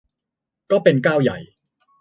ก็เป็นก้าวใหญ่